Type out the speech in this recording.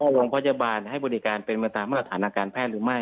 โรงพยาบาลให้บริการเป็นไปตามมาตรฐานทางการแพทย์หรือไม่